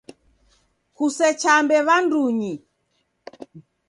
Kusechambe w'andunyi!